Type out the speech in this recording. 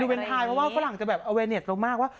เวนไทยเพราะว่าฝรั่งจะแบบอเวเน็ตเรามากว่า